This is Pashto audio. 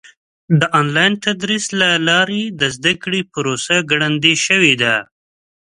د آنلاین تدریس له لارې د زده کړې پروسه ګړندۍ شوې ده.